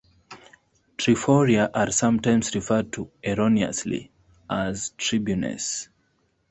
Triforia are sometimes referred to, erroneously, as tribunes.